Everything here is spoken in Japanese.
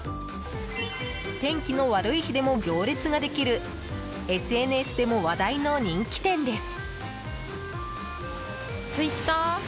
天気の悪い日でも行列ができるＳＮＳでも話題の人気店です。